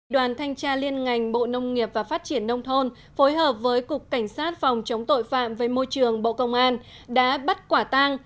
đoàn thanh tra liên ngành bộ nông nghiệp và phát triển nông thôn phối hợp với cục cảnh sát phòng chống tội phạm với môi trường bộ công an đã bắt quả tang